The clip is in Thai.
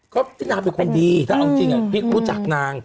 ก็พี่นางเป็นคนดีถ้าเอาจริงพี่รู้จักนาง